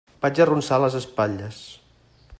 Vaig arronsar les espatlles.